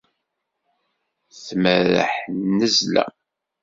Tmerreḥ nnazla.